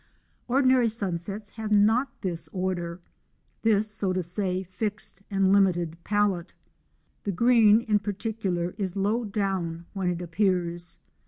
Ordinary sunsets have not this order ; this, so to say, fixe'd and limited palette. The green in particular, is low down when it appears.